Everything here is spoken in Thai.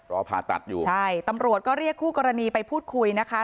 ผ่าตัดอยู่ใช่ตำรวจก็เรียกคู่กรณีไปพูดคุยนะคะ